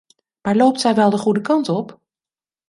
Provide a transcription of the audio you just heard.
Maar loopt zij wel de goede kant op?